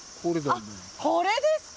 あっ、これですか。